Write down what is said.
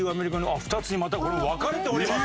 あっ２つにまたこれ分かれております。